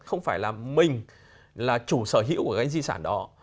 không phải là mình là chủ sở hữu của cái di sản đó